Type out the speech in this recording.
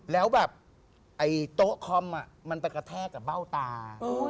แล้วแบบไอ้โต๊ะคอมมันไปกระแทกกับเบ้าตา